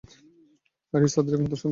Iris তাদের একমাত্র সন্তান।